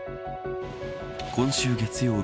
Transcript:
今週月曜日